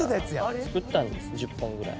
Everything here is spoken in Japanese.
作ったんです１０本ぐらい。